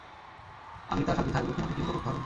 আমি তার সাথে থাকবো, তোমাকে চিন্তা করতে হবে না।